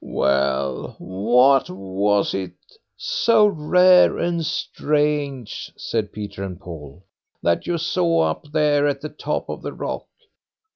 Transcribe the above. "Well, what was it, so rare and strange", said Peter and Paul, "that you saw up there at the top of the rock?"